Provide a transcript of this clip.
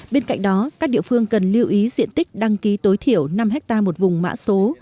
bên cạnh đó các địa phương cần lưu ý diện tích đăng ký tối thiểu năm ha một vùng mã số